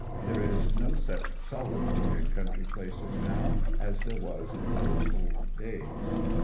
There is no such solitude in country places now as there was in those old days.